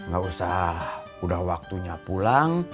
gak usah udah waktunya pulang